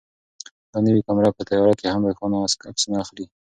دا نوې کامره په تیاره کې هم روښانه عکسونه اخلي.